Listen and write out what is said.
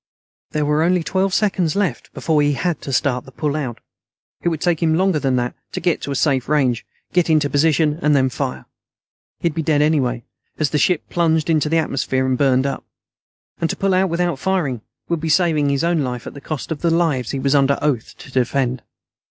There were only twelve seconds left before he had to start the pull out. It would take him longer than that to get to a safe range, get into position, and fire. He'd be dead anyway, as the ship plunged into the atmosphere and burned up. And to pull out without firing would be saving his own life at the cost of the lives he was under oath to defend.